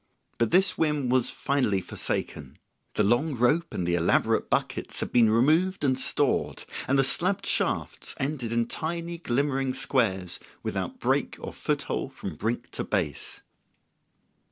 But this whim was finally forsaken; the long rope and the elaborate buckets had been removed and stored; and the slabbed shafts ended in tiny glimmering squares without break or foot hole from brink to base.